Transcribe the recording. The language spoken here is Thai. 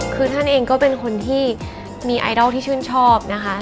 คือท่านเองก็เป็นคนที่มีไอดอลที่ชื่นชอบนะคะ